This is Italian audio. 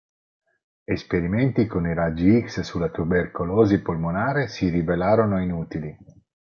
Esperimenti con i raggi x sulla tubercolosi polmonare si rivelarono inutili.